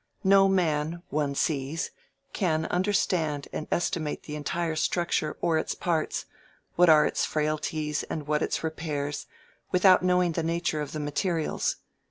No man, one sees, can understand and estimate the entire structure or its parts—what are its frailties and what its repairs, without knowing the nature of the materials.